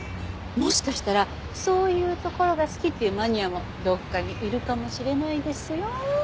もしかしたらそういうところが好きっていうマニアもどこかにいるかもしれないですよ。